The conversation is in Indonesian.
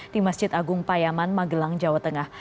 di masjid agung payaman magelang jawa tengah